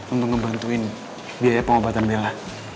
untuk ngebantuin biaya pengobatan bela